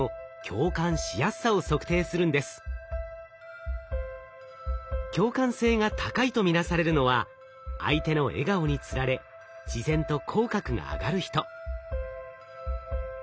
共感性が高いと見なされるのは相手の笑顔につられ自然と口角が上がる人。